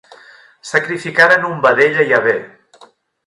Sacrificaren un vedell a Jahvè.